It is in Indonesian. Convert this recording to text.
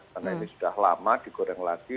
karena ini sudah lama digoreng lagi